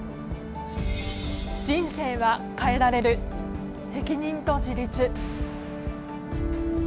「人生は変えられる」「責任と自立」。